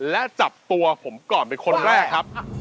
และจับตัวผมก่อนเป็นคนแรกครับ